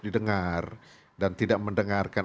didengar dan tidak mendengarkan